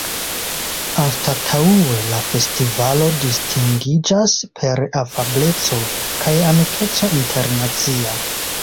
Anstataŭe, la festivalo distingiĝas per afableco kaj amikeco internacia.